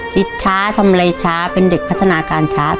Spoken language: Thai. คิดช้าทำอะไรช้าเป็นเด็กพัฒนาการช้า